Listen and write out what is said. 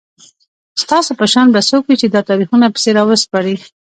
ستاسو په شان به څوک وي چي دا تاریخونه پسي راوسپړي